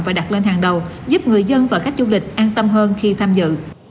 và đặt lên hàng đầu giúp người dân và khách du lịch an tâm hơn khi tham dự